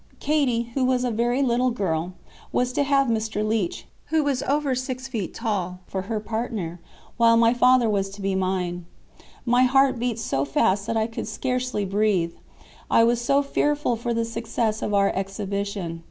Katie, who was a very little girl was to have Mr. Leech, who was over six feet tall, for her partner, while my father was to be mine. My heart beat so fast that I could scarcely breathe, I was so fearful for the success of our exhibition.